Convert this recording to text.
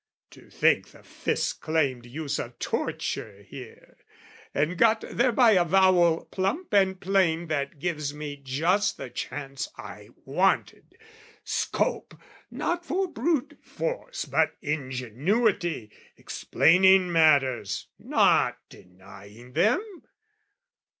To think the Fisc claimed use of torture here, And got thereby avowal plump and plain That gives me just the chance I wanted, scope Not for brute force but ingenuity, Explaining matters, not denying them!